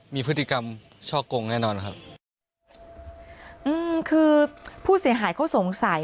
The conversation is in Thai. มีพฤติกรรมช่อกงแน่นอนครับอืมคือผู้เสียหายเขาสงสัย